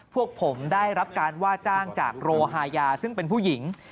พวกผมได้รับการว่าจ้างจากโรฮายาซึ่งเป็นผู้หญิง